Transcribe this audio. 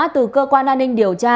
từ cơ quan an ninh điều tra